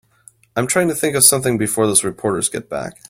I'm trying to think of something before those reporters get back.